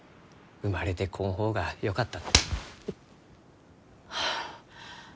「生まれてこん方がよかった」